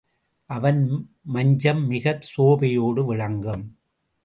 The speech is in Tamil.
அவன் மஞ்சம் மிகச் சோபையோடு விளங்கும்.